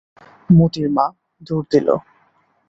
মোতির মা দিল দৌড়।